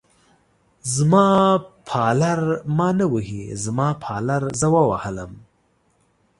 زما پالر ما نه وهي، زما پالر زه ووهلم.